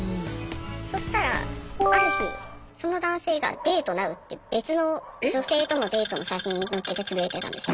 そしたらある日その男性が「デートなう」って別の女性とのデートの写真載っけてつぶやいてたんですよ。